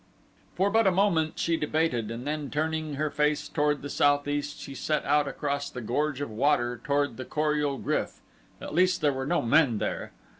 For but a moment she debated and then turning her face toward the southeast she set out across the gorge of water toward the Kor ul GRYF at least there were no men there.